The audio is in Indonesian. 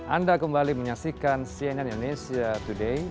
anda kembali menyaksikan cnn indonesia today